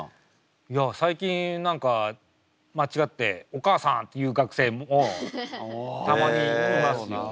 いや最近何か間違って「お母さん」って言う学生もたまにいますよね。